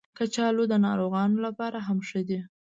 کچالو د ناروغانو لپاره هم ښه دي